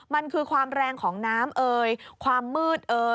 มันคือความแรงของน้ำความมืด